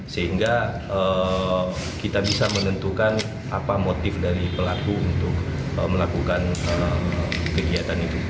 sehingga kita bisa menentukan apa motif dari pelaku untuk melakukan kegiatan itu